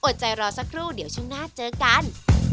ใจรอสักครู่เดี๋ยวช่วงหน้าเจอกัน